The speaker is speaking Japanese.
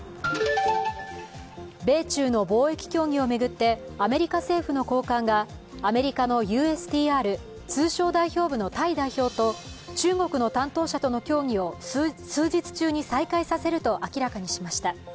米中の貿易協議を巡ってアメリカ政府の高官がアメリカのＵＳＴＲ＝通商代表部のタイ代表と中国の担当者との協議を数日中に再開させると明らかにしました。